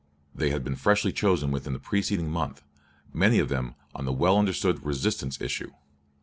They had been freshly chosen within the preceding month; many of them on the well understood "resistance" issue.